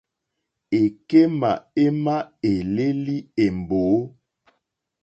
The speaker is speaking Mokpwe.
Èkémà émá èlélí è mbǒ.